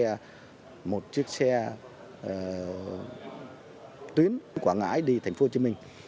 chúng tôi sẽ xây dựng một chiếc xe tuyến quảng ngãi đi thành phố hồ chí minh